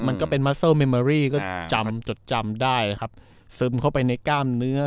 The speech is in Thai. มันก็เป็นมัสเซอร์เมอรี่ก็จำจดจำได้ครับซึมเข้าไปในกล้ามเนื้อ